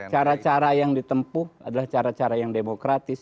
cara cara yang ditempuh adalah cara cara yang demokratis